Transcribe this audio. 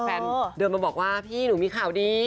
เดินมาบอกว่าพี่หนูมีข่าวดี